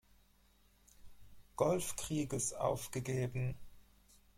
Golfkrieges aufgegeben.